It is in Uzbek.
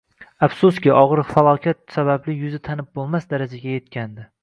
Afsuski, og`ir halokat sabab yuzi tanib bo`lmas darajaga etgandi